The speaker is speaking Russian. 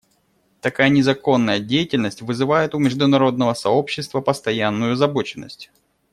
Такая незаконная деятельность вызывает у международного сообщества постоянную озабоченность.